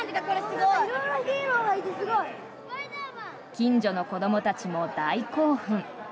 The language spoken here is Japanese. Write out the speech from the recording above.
近所の子どもたちも大興奮。